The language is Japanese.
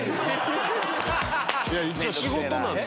一応仕事なんで。